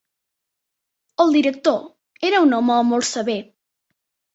El director era un home molt sever.